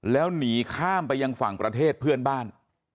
แล้วหนีข้ามไปยังฝั่งประเทศเพื่อนบ้าน